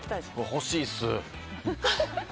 欲しいです。